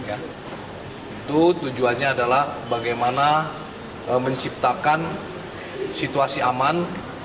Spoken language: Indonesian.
itu tujuannya adalah bagaimana menciptakan situasi aman